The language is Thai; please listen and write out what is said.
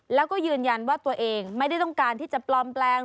แล้วก็ยืนยันว่าตัวเองไม่ได้ต้องการที่จะปลอมแปลง